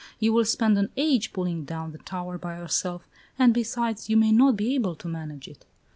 You will spend an age in pulling down the tower by yourself, and besides, you may not be able to manage it."